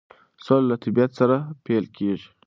سوله له طبیعت سره پیل کیږي.